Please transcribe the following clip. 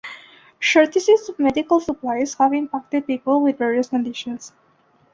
Shortages of medical supplies have impacted people with various conditions.